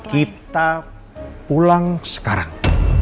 kita pulang sekarang